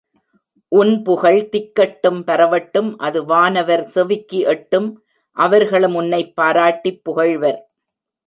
உன் புகழ் திக்கெட்டும் பரவட்டும் அது வானவர் செவிக்கு எட்டும் அவர்களும் உன்னைப் பாராட்டிப் புகழ்வர்.